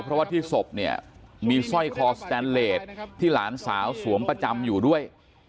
เพราะว่าที่ศพเนี่ยมีสร้อยคอสแตนเลสที่หลานสาวสวมประจำอยู่ด้วย